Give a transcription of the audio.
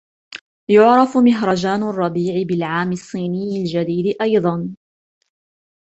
يعرف " مهرجان الربيع " بالعام الصيني الجديد أيضاً.